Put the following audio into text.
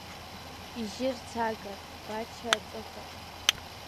Ижьырцаган Бача аҵыхәа…